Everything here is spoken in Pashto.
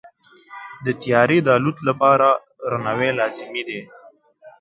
د طیارې د الوت لپاره رنوی لازمي دی.